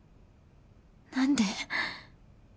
何で？